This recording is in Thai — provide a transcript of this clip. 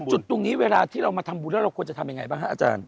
จุดตรงนี้เวลาที่เรามาทำบุญแล้วเราควรจะทำยังไงบ้างฮะอาจารย์